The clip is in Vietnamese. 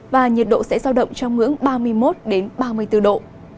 và nhiệt độ sẽ giao động trong ngưỡng ba mươi một ba mươi bốn độ